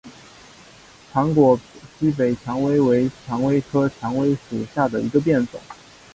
长果西北蔷薇为蔷薇科蔷薇属下的一个变种。